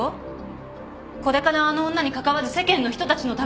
これからあの女に関わる世間の人たちのためにも。